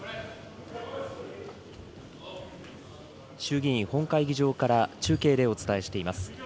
衆議院本会議場から、中継でお伝えしています。